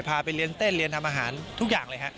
พาไปเรียนเต้นเรียนทำอาหารทุกอย่างเลยฮะ